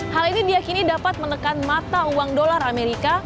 hal ini diakini dapat menekan mata uang dolar amerika